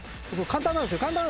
簡単なんですよ。